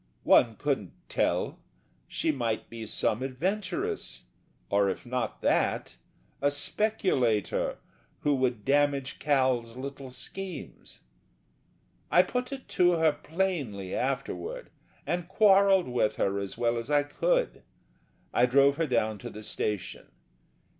One couldn't tell, she might be some adventuress, or if not that, a speculator who would damage Cal's little schemes. I put it to her plainly afterward; and quarrelled with her as well as I could. I drove her down to the station.